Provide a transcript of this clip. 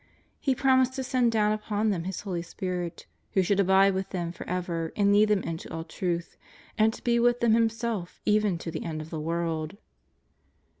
He promised to send down upon them His Holy Spirit, who should abide with them for ever and lead them into all truth, and to be with them Himself even to the end of the world.